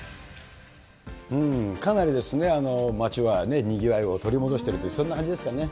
かなり街はにぎわいを取り戻してるという、そんな感じですかね。